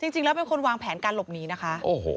จริงแล้วเป็นคนวางแผนการหลบหนีนะคะ